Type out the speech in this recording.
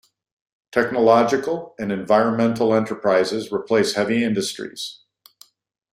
Technological and environmental enterprises replace heavy industries.